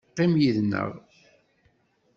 Qqim yid-neɣ.